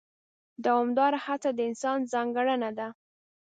دوامداره هڅه د انسان ځانګړنه ده.